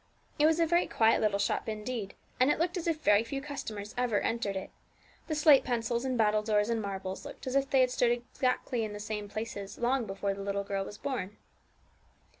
It was a very quiet little shop indeed, and it looked as if very few customers ever entered it. The slate pencils and battledores and marbles looked as if they had stood in exactly the same places long before the little girl was born.